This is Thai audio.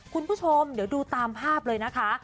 คุณผู้ชมเดี๋ยวดูตามภาพเลยนะคะ